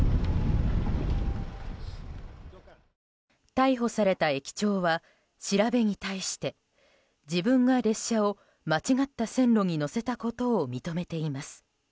逮捕された駅長は調べに対して自分が列車を間違った線路に乗せたことを認めています。